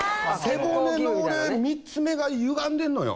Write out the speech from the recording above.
背骨の俺３つ目がゆがんでんのよ。